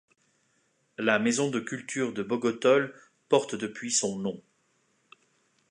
La maison de culture de Bogotol porte depuis son nom.